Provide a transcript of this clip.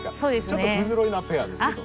ちょっと不ぞろいなペアですけど。